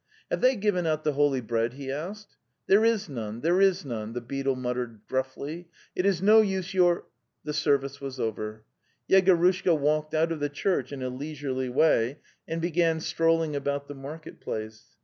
'"' Have they given out the holy bread? " he asked. 'There is none; there is none,"' the beadle mut tered gruffly. "It isno use your..." The service was over; Yegorushka walked out of the church in a leisurely way, and began strolling about the market place.